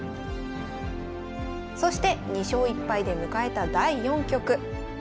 そして２勝１敗で迎えた第４局。